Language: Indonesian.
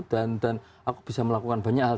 dan aku bisa melakukan banyak hal